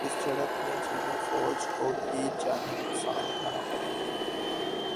اس جھڑپ میں چینی فوج کو بھی جانی نقصان اٹھانا پڑا ہے